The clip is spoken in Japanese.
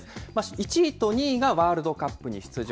１位と２位がワールドカップに出場。